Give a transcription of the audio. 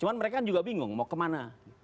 cuma mereka juga bingung mau kemana